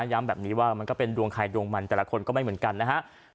ย้ำแบบนี้ว่ามันก็เป็นดวงใครดวงมันแต่ละคนก็ไม่เหมือนกันนะฮะ